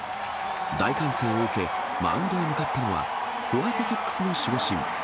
大歓声を受け、マウンドに向かったのは、ホワイトソックスの守護神。